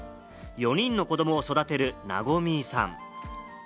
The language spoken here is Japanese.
４人の子どもを育てる、なごみーさん。